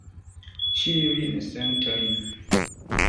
Ĉiujn sentojn.